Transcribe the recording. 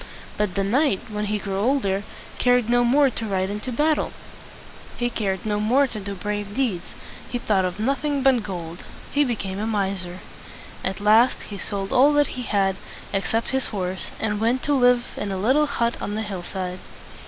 But the knight, when he grew older, cared no more to ride into battle; he cared no more to do brave deeds; he thought of nothing but gold; he became a miser. At last he sold all that he had, except his horse, and went to live in a little hut on the hill side.